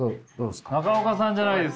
中岡さんじゃないですか！